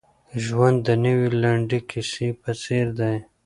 ژوند د یوې لنډې کیسې په څېر دی.